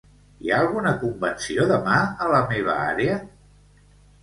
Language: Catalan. Hi ha alguna convenció demà a la meva àrea?